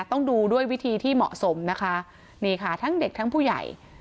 ต้องดูด้วยวิธีที่เหมาะสมนะคะนี่ค่ะทั้งเด็กทั้งผู้ใหญ่